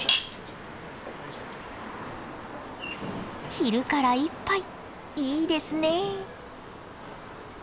昼から一杯いいですね。